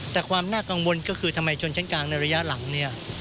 แต่ความน่ากังวลก็คือทำไมชนชั้นกลางในระยะหลังเนี่ย